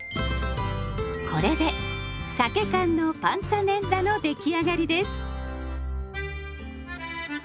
これでさけ缶のパンツァネッラの出来上がりです。